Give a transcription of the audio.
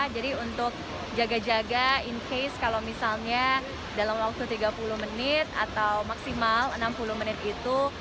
jadi untuk jaga jaga in case kalau misalnya dalam waktu tiga puluh menit atau maksimal enam puluh menit itu